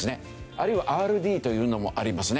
あるいはＲＤというのもありますね。